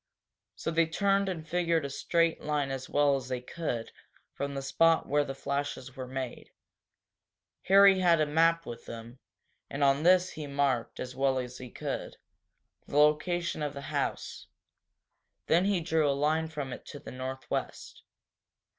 So they turned and figured a straight line as well as they could from the spot where the flashes were made. Harry had a map with him, and on this he marked, as well as he could, the location of the house. Then he drew a line from it to the northwest.